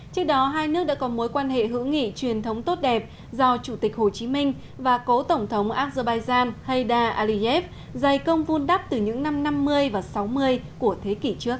trước đó hai nước đã có mối quan hệ hữu nghị truyền thống tốt đẹp do chủ tịch hồ chí minh và cố tổng thống azerbaijan hayda aliyev dày công vun đắp từ những năm năm mươi và sáu mươi của thế kỷ trước